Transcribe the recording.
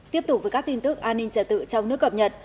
tiếp tục với các tin tức an ninh trật tự trong nước cập nhật